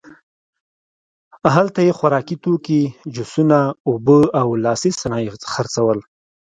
هلته یې خوراکي توکي، جوسونه، اوبه او لاسي صنایع خرڅول.